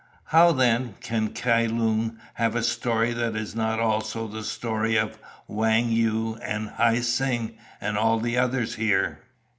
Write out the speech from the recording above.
How, then, can Kai Lung have a story that is not also the story of Wang Yu and Hi Seng, and all others here?"